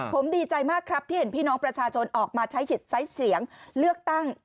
ผมดีใจมากครับที่เห็นพี่น้องประชาชนออกมาใช้สิทธิ์ใช้เสียงเลือกตั้ง